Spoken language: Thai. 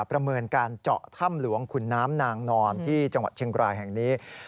ประเมินการเจาะถ้ำหลวงขุนน้ำนางนอนที่จังหวัดเชียงรายแห่งนี้